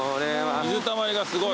水たまりがすごい。